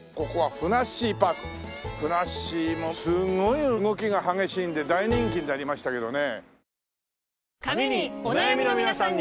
ふなっしーもすごい動きが激しいんで大人気になりましたけどね。